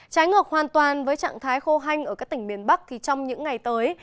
trái ngược hoàn toàn với trạng thái khô hanh ở các tỉnh miền bắc trong những ngày tới